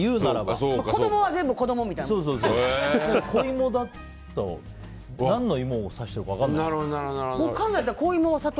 小芋だと何の芋を指してるか分かんない。